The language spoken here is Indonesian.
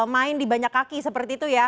main di banyak kaki seperti itu ya